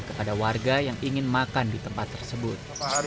kepada warga yang ingin makan di tempat tersebut